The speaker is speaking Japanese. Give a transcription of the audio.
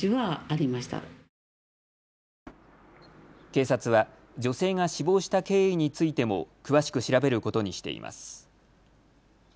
警察は女性が死亡した経緯についても詳しく調べることにしています。